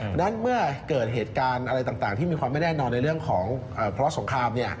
เพราะฉะนั้นเมื่อเกิดเหตุการณ์อะไรต่างที่มีความไม่แน่นอนในเรื่องของพระสงคราม